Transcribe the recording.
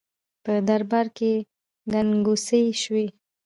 په دربار کې ګنګوسې شوې.